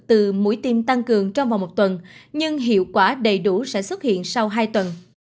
từ mũi tiêm tăng cường trong vòng một tuần nhưng hiệu quả đầy đủ sẽ xuất hiện sau hai tuần